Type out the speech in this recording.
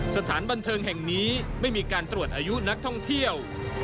สถานบันเทิงแห่งนี้ไม่มีการตรวจอายุนักท่องเที่ยว